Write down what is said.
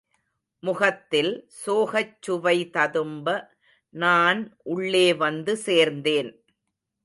முகத்தில் சோகச்சுவை ததும்ப, நான் உள்ளே வந்து சேர்ந்தேன்.